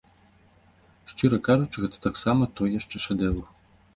Шчыра кажучы, гэта таксама той яшчэ шэдэўр.